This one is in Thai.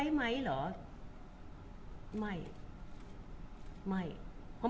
คุณผู้ถามเป็นความขอบคุณค่ะ